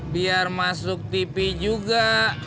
biar masuk tv juga